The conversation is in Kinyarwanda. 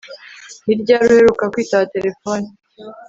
Ni ryari uheruka kwitaba terefone